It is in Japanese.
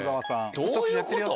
どういうこと？